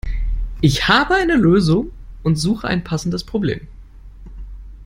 Ich habe eine Lösung und suche ein passendes Problem.